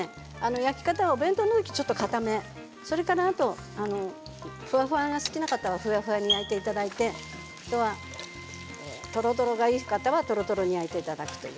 焼き方はお弁当の時はちょっとかためそれからあと、ふわふわが好きな方はふわふわに焼いていただいてとろとろがいい方はとろとろに焼いていただくと。